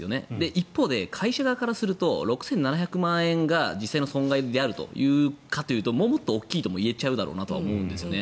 一方で会社側からすると６７００万円が実際の損害であるかというともっと大きいとも言えちゃうかなと思うんですね。